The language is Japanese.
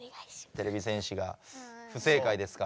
てれび戦士が不正解ですから。